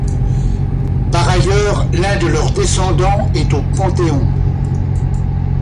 Par ailleurs, l'un de leurs descendants est au Panthéon.